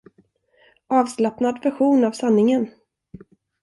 Avslappnad version av sanningen!